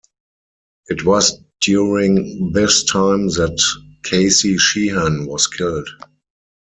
It was during this time that Casey Sheehan was killed.